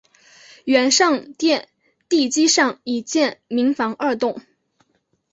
原上殿地基上已建民房二幢。